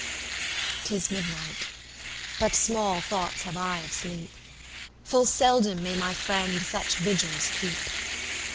VIII'Tis midnight, but small thoughts have I of sleep:Full seldom may my friend such vigils keep!